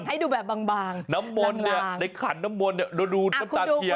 ให้ดูแบบบางน้ำมนเนี่ยในขันน้ำมนเนี่ย